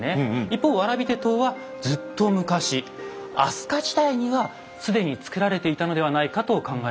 一方蕨手刀はずっと昔飛鳥時代には既に作られていたのではないかと考えられているんです。